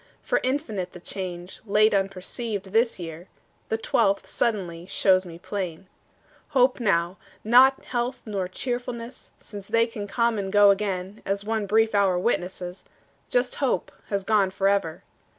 For infinite The change, late unperceived, this year, The twelfth, suddenly, shows me plain. Hope now, not health nor cheerfulness, Since they can come and go again, As often one brief hour witnesses, Just hope has gone forever.